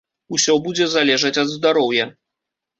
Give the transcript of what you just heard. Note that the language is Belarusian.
Усё будзе залежаць ад здароўя.